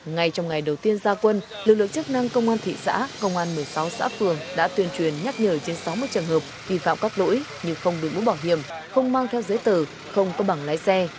ngay trong ngày đầu tiên gia quân lực lượng chức năng công an thị xã công an một mươi sáu xã phường đã tuyên truyền nhắc nhở trên sáu mươi trường hợp vi phạm các lỗi như không đổi mũ bảo hiểm không mang theo giấy tờ không có bảng lái xe